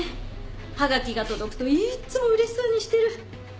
はがきが届くといっつもうれしそうにしてる。